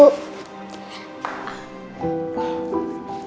gak apa apa bu